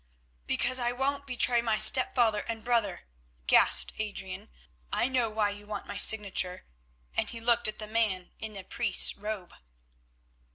"Because I won't betray my stepfather and brother," gasped Adrian. "I know why you want my signature," and he looked at the man in a priest's robe.